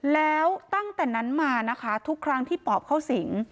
แล้วตั้งแต่นั้นมานะคะทุกครั้งที่ปอบเข้าสิง